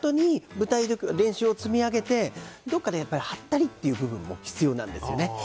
練習を積み上げて、どこかでハッタリという部分も必要なんですよね。